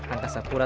angka satura satu